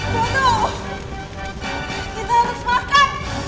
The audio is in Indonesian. jatuh kita harus makan